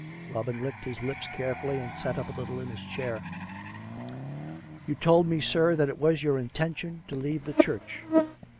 Robin licked his lips carefully and sat up a little in his chair. " You told me, sir, that it was your intention to leave the Church.